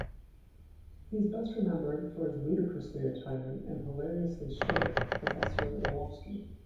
He is best remembered for his ludicrously attired and hilariously strutting "Professor Wallofski".